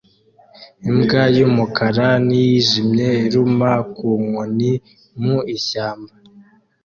Imbwa y'umukara n'iyijimye iruma ku nkoni mu ishyamba